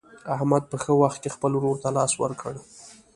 احمد په ښه وخت کې خپل ورور ته لاس ورکړ.